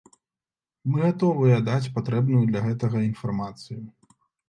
Мы гатовыя даць патрэбную для гэтага інфармацыю.